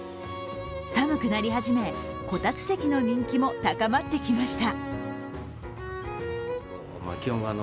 寒くなり始め、こたつ席の人気も高まってきました。